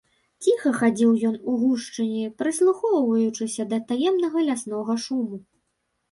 Ціха хадзіў ён у гушчыні, прыслухоўваючыся да таемнага ляснога шуму.